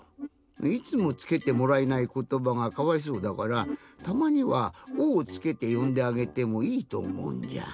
いつもつけてもらえないことばがかわいそうだからたまには「お」をつけてよんであげてもいいとおもうんじゃ。